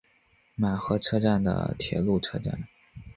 浦和车站的铁路车站。